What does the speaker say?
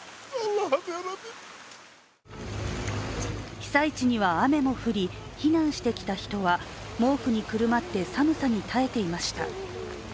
被災地には雨も降り、避難してきた人は毛布にくるまって寒さに耐えていました。